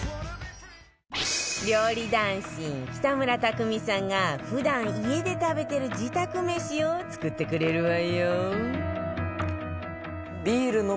料理男子北村匠海さんが普段家で食べてる自宅めしを作ってくれるわよ